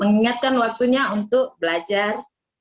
mengingatkan waktunya untuk belajar